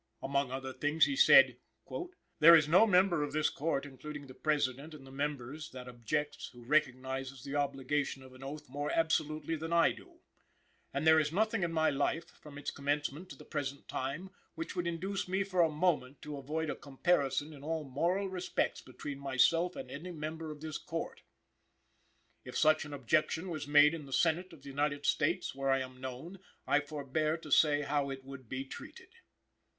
Among other things he said: "There is no member of this Court, including the President, and the member that objects, who recognizes the obligation of an oath more absolutely than I do; and there is nothing in my life, from its commencement to the present time, which would induce me for a moment to avoid a comparison in all moral respects between myself and any member of this Court. "If such an objection was made in the Senate of the United States, where I am known, I forbear to say how it would be treated.